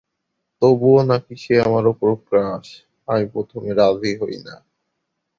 তবুও নাকি সে আমার উপর ক্রাশ৷ আমি প্রথমে রাজী হইনা।